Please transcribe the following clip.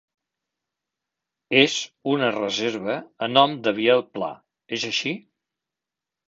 és una reserva a nom de Biel Pla, és així?